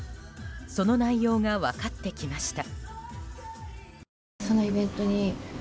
その内容が分かってきました。